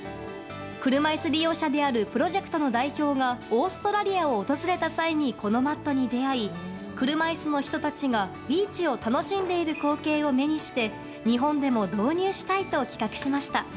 車椅子利用者であるプロジェクトの代表がオーストラリアを訪れた際にこのマットに出会い車椅子の人たちがビーチを楽しんでいる光景を目にして日本でも導入したいと企画しました。